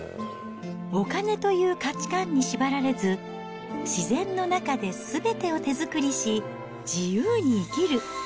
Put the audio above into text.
お金という価値観に縛られず、自然の中ですべてを手作りし、自由に生きる。